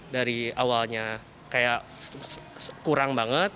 dari awalnya kayak kurang banget